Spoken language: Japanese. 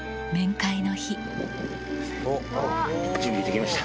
準備できました。